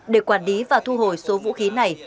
để quản lý và thu hồi số vũ khí này